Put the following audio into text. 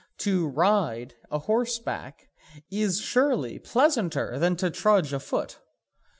To ride a horseback is surely pleasanter than to trudge a foot?